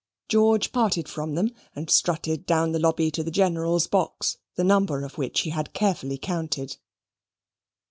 George parted from them and strutted down the lobby to the General's box, the number of which he had carefully counted.